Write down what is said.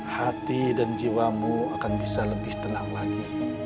hati dan jiwamu akan bisa lebih tenang lagi